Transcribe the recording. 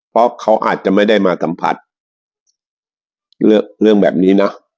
เพราะเขาอาจจะไม่ได้มาสัมผัสเรื่องแบบนี้เนอะ